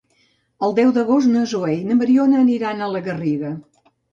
El deu d'agost na Zoè i na Mariona aniran a la Garriga.